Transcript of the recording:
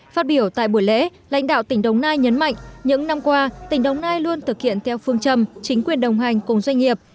phát biểu tại buổi lễ lãnh đạo tỉnh đồng nai nhấn mạnh những năm qua tỉnh đồng nai luôn thực hiện theo phương châm chính quyền đồng hành cùng doanh nghiệp